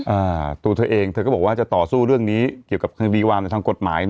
อ่าตัวเธอเองเธอก็บอกว่าจะต่อสู้เรื่องนี้เกี่ยวกับคดีความในทางกฎหมาย